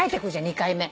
２回目。